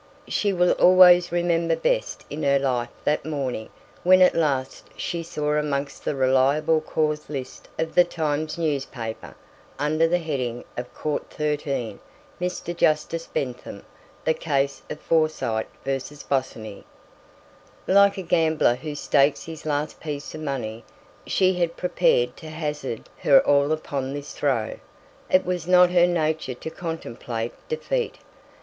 She will always remember best in her life that morning when at last she saw amongst the reliable Cause List of the Times newspaper, under the heading of Court XIII, Mr. Justice Bentham, the case of Forsyte v. Bosinney. Like a gambler who stakes his last piece of money, she had prepared to hazard her all upon this throw; it was not her nature to contemplate defeat.